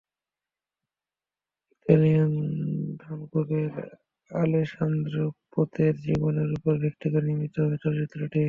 Italian ধনকুবের Alessandro প্রোতোর জীবনের ওপর ভিত্তি করে নির্মিত হবে চলচ্চিত্রটি।